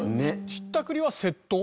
ひったくりは窃盗？